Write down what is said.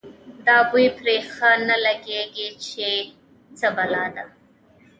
دا بوی پرې ښه نه لګېږي که څه بلا ده.